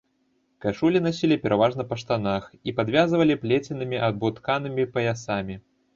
Кашулі насілі пераважна па штанах і падвязвалі плеценымі або тканымі паясамі.